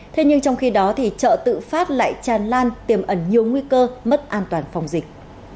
thế nhưng trong khi đó thì chợ tự phát lại tràn lan tiềm ẩn nhiều nguy cơ mất an toàn phòng dịch